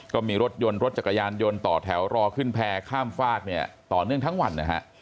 ก็มีรถยนต์รถจักรยานยนต์ต่อแถวรอขึ้นแพร่ข้ามฝากเนี่ยต่อเนื่องทั้งวันนะฮะ